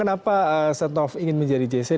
kenapa setnoff ingin menjadi jsc